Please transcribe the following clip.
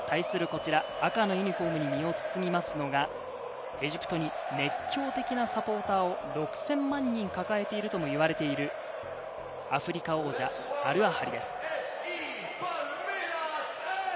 対する、こちら赤のユニホームに身を包みますのが、エジプトに熱狂的なサポーターを６０００万人抱えているともいわれているアフリカ王者アルアハリです。